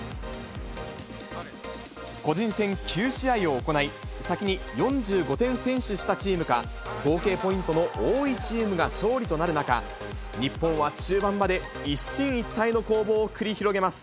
個人戦９試合を行い、先に４５点先取したチームか、合計ポイントの多いチームが勝利となる中、日本は中盤まで一進一退の攻防を繰り広げます。